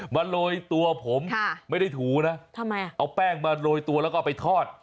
มาโรยตัวผมไม่ได้ถูนะเอาแป้งมาโรยตัวแล้วก็เอาไปทอดทำไม